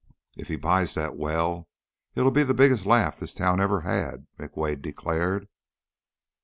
"If he buys that well it'll be the biggest laugh this town ever had," McWade declared.